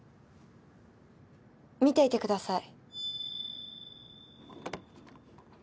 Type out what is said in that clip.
見ていてください。